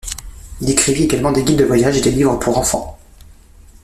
Il écrivit également des guides de voyage et des livres pour enfants.